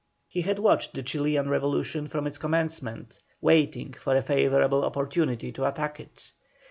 He had watched the Chilian revolution from its commencement, waiting for a favourable opportunity to attack it.